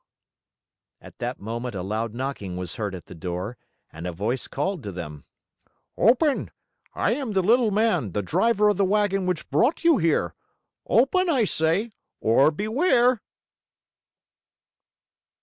At that moment, a loud knocking was heard at the door and a voice called to them: "Open! I am the Little Man, the driver of the wagon which brought you here. Open, I say, or beware!"